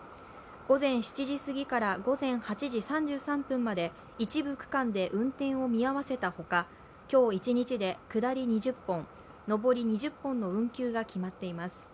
午前７時すぎから午前８時３３分まで一部区間で運転を見合わせたほか、今日一日で下り２０本、上り２０本の運休が決まっています。